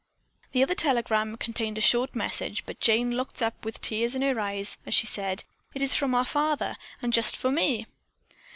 The other telegram contained a short message, but Jane looked up with tears in her eyes as she said: "It is from father and just for me."